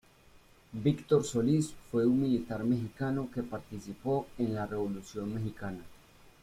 Víctor Solís fue un militar mexicano que participó en la Revolución mexicana.